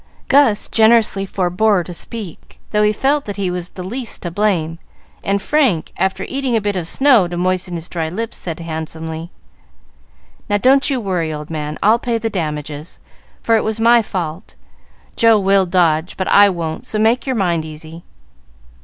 Gus generously forebore to speak, though he felt that he was the least to blame; and Frank, after eating a bit of snow to moisten his dry lips, said, handsomely, "Now, don't you worry, old man. I'll pay the damages, for it was my fault. Joe will dodge, but I won't, so make your mind easy.